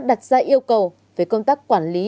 đặt ra yêu cầu về công tác quản lý